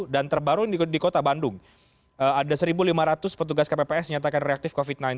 dan terbaru di kota bandung ada satu lima ratus petugas kpps nyatakan reaktif covid sembilan belas